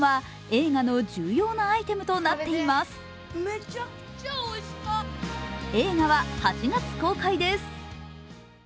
映画は８月公開です。